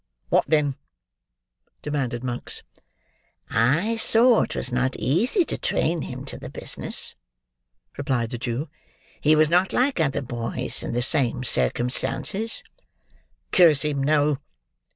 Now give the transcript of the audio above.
"What then?" demanded Monks. "I saw it was not easy to train him to the business," replied the Jew; "he was not like other boys in the same circumstances." "Curse him, no!"